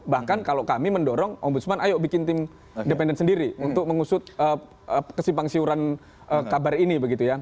bahkan kalau kami mendorong ombudsman ayo bikin tim independen sendiri untuk mengusut kesimpang siuran kabar ini begitu ya